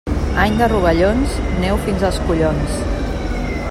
Any de rovellons, neu fins als collons.